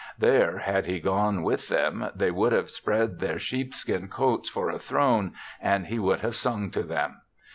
There, had he gone with them, they would have spread their sheepskin coats for a throne and he would have sung to them.